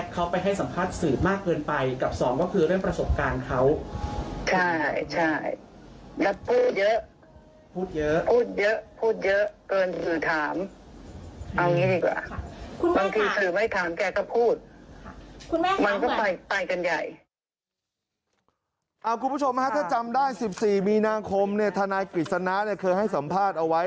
คุณผู้ชมฮะถ้าจำได้๑๔มีนาคมเนี่ยทนายกฤษณะเคยให้สัมภาษณ์เอาไว้